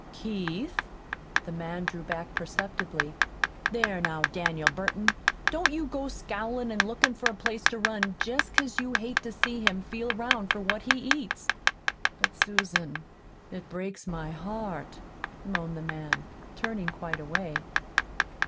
"KEITH?" The man drew back perceptibly. "There, now, Daniel Burton, don't you go to scowlin' an' lookin' for a place to run, just because you hate to see him feel 'round for what he eats." "But, Susan, it breaks my heart," moaned the man, turning quite away.